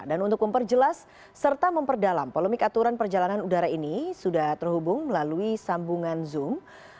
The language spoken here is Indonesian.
dan untuk memperjelas serta memperdalam polemik aturan perjalanan udara ini sudah terhubung melalui sambungan zoom